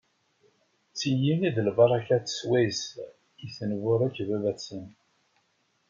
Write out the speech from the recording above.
D tigi i d lbaṛakat swayes i ten-iburek baba-tsen.